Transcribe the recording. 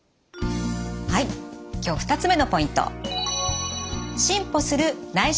はい今日２つ目のポイント。